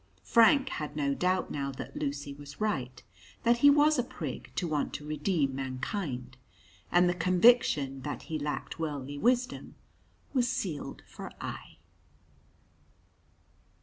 Frank had no doubt now that Lucy was right, that he was a Prig to want to redeem mankind. And the conviction that he lacked worldly wisdom was sealed for aye.